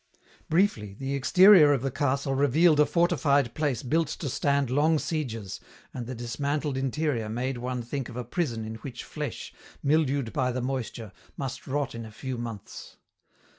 Briefly, the exterior of the castle revealed a fortified place built to stand long sieges, and the dismantled interior made one think of a prison in which flesh, mildewed by the moisture, must rot in a few months.